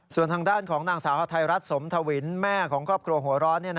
ส่วนทางด้านของนางสาวฮาไทยรัฐสมทวินแม่ของครอบครัวหัวร้อน